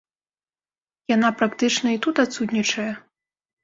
Яна практычна і тут адсутнічае.